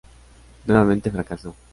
Nuevamente fracasó.